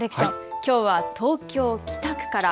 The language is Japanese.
きょうは東京北区から。